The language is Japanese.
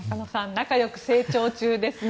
仲よく成長中ですね。